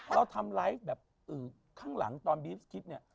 เราทำอะไรแบบอื่นข้างหลังตอนบีลิฟท์คิดเนี่ย